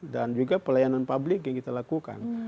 dan juga pelayanan publik yang kita lakukan